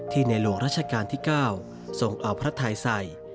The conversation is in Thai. ที่ในหลวงราชการที่๙ส่งเอาพระทายใส่